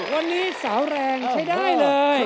วันนี้สาวแรงใช้ได้เลย